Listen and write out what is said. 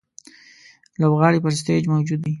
لوبغاړی پر سټېج موجود وي.